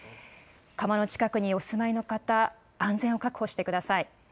川の近くにお住まいの方、安全を確保してください。